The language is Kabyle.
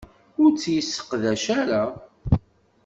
Ur t-yesseqdac ara.